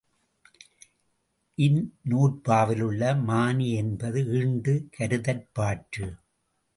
இந்நூற்பாவிலுள்ள மானி என்பது ஈண்டு கருதற்பாற்று.